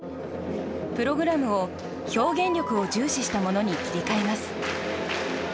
プログラムを表現力を重視したものに切り替えます。